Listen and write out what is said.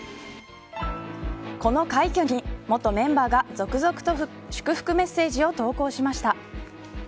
この快挙に元メンバーが続々と祝福メッセージを投稿しました。